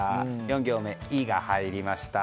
４行目「イ」が入りました。